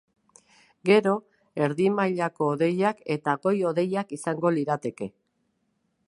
Gero, erdi mailako hodeiak eta goi-hodeiak izango lirateke.